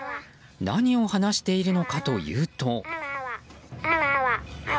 何を話しているのかというと。